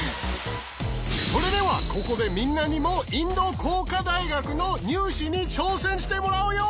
それではここでみんなにもインド工科大学の入試に挑戦してもらうよ！